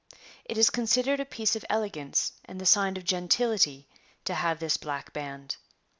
It is considered a piece of elegance and the sign of gentility to have this black band.